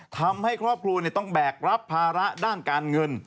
ทำให้ครอบครัวต้องแบกรับภาระด้านการเงิน